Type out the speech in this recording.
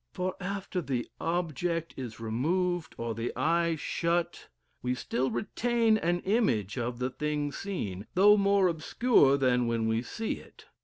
For after the object is removed, or the eye shut, we still retain an image of the thing seen, though more obscure than when we see it....